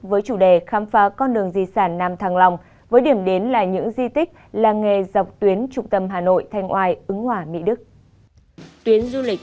với chủ đề khám phá con đường di sản nam thăng long với điểm đến là những di tích làng nghề dọc tuyến trung tâm hà nội thanh oai ứng hòa mỹ đức